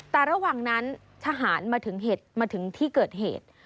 แต่ระหว่างนั้นชาหารมาถึงที่เกิดเหตุ